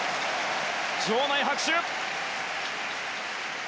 場内拍手！